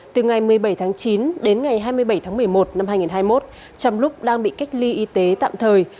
từ ngày một mươi bảy tháng chín đến ngày hai mươi bảy tháng một mươi một năm hai nghìn hai mươi một trong lúc đang bị cách ly y tế tạm thời